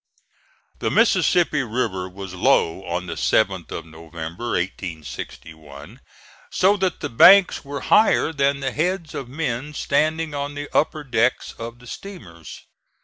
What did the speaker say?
The Mississippi River was low on the 7th of November, 1861, so that the banks were higher than the heads of men standing on the upper decks of the steamers.